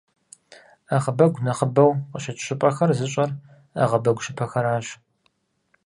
Ӏэгъэбэгухэр нэхъыбэу къыщыкӀ щӏыпӏэхэр зыщӀэр Ӏэгъэбэгу щыпэхэращ.